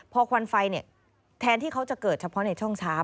พอควันไฟแทนที่เขาจะเกิดเฉพาะในช่องเช้า